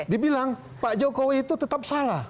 dibilang pak jokowi itu tetap salah